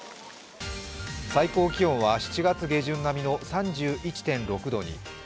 最高気温は７月下旬並みの３１．６度に。